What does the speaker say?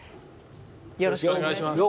よろしくお願いします。